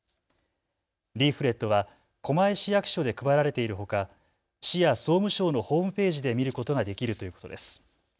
リーフレットは狛江市役所で配られているほか、市や総務省のホームページで見ることができるということです。